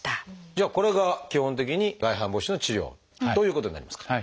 じゃあこれが基本的に外反母趾の治療ということになりますか？